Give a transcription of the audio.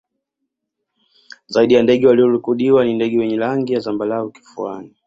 Zaidi ya ndege waliorikodiwa ni ndege wenye rangi ya zambarau kifuani